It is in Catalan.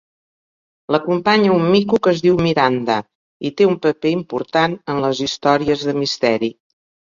L'acompanya un mico que es diu Miranda i té un paper important en les històries de misteri.